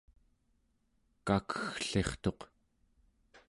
kakegglirtuq